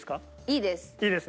いいです！